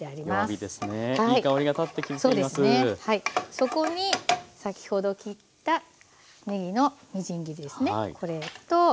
そこに先ほど切ったねぎのみじん切りですねこれと。